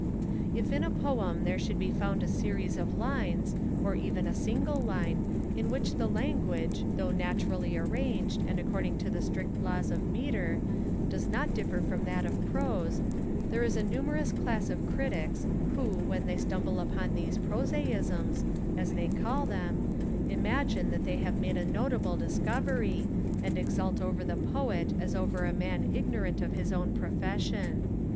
If in a poem there should be found a series of lines, or even a single line, in which the language, though naturally arranged, and according to the strict laws of metre, does not differ from that of prose, there is a numerous class of critics, who, when they stumble upon these prosaisms, as they call them, imagine that they have made a notable discovery, and exult over the Poet as over a man ignorant of his own profession.